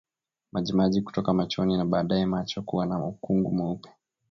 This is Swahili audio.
Majimaji kutoka machoni na baadaye macho kuwa na ukungu mweupe